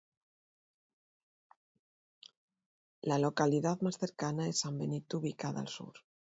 La localidad más cercana es San Benito ubicada al sur.